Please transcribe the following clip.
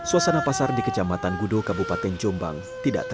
iya dari pihak bapaknya ke bapak